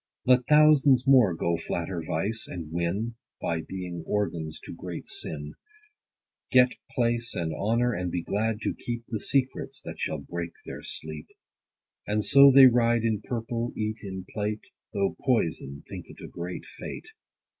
Let thousands more go flatter vice, and win, By being organs to great sin ; Get place and honor, and be glad to keep The secrets that shall break their sleep And so they ride in purple, eat in plate, 80 Though poison, think it a great fate.